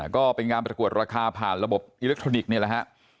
ก็เป็นงานประกวดราคาผ่านระบบอิเล็กทรอนิกส์นี่แหละฮะ